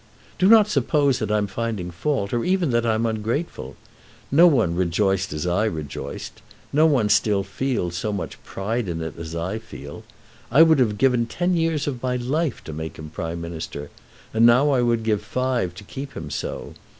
"Do not suppose that I am finding fault, or even that I am ungrateful. No one rejoiced as I rejoiced. No one still feels so much pride in it as I feel. I would have given ten years of my life to make him Prime Minister, and now I would give five to keep him so.